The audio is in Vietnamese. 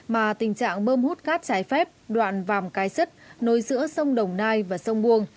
mà tình trạng bơm hút cát trái phép đoạn vàm cái sứt nối giữa sông đồng nai và sông buông